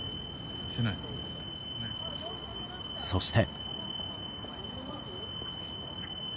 そして。